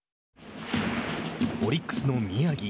オリックスの宮城。